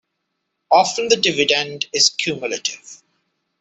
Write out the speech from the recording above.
Often the dividend is cumulative.